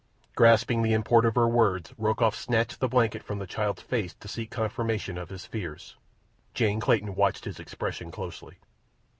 Grasping the import of her words, Rokoff snatched the blanket from the child's face to seek confirmation of his fears. Jane Clayton watched his expression closely.